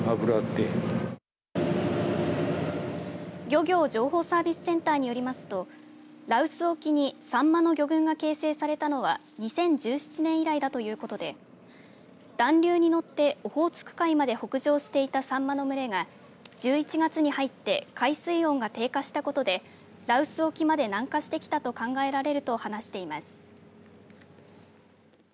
漁業情報サービスセンターによりますと羅臼沖にさんまの魚群が形成されたのは２０１７年以来だということで暖流に乗ってオホーツク海まで北上していたさんまの群れが１１月に入って海水温が低下したことで羅臼沖まで南下してきたと考えられると話しています。